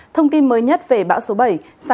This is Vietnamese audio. thông tin mới nhất về bão số bảy